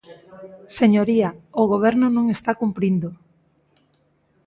Señoría, o Goberno non está cumprindo.